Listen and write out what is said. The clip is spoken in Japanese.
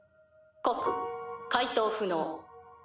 告回答不能。